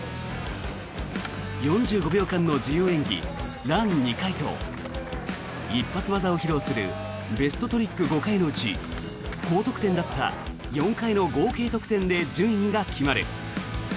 ４５秒間の自由演技、ラン２回と一発技を披露するベストトリック５回のうち高得点だった４回の合計得点で順位が決まる。